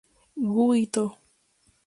Go Ito